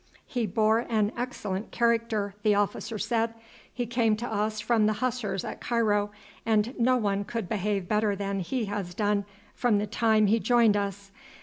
"He bore an excellent character," the officer said. "He came to us from the Hussars at Cairo, and no one could behave better than he has done from the time he joined us.